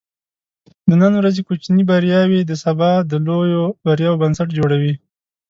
د نن ورځې کوچني بریاوې د سبا د لویو بریاوو بنسټ جوړوي.